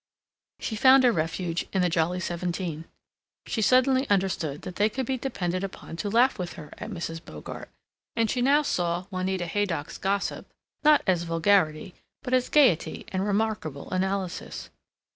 She found a refuge in the Jolly Seventeen. She suddenly understood that they could be depended upon to laugh with her at Mrs. Bogart, and she now saw Juanita Haydock's gossip not as vulgarity but as gaiety and remarkable analysis.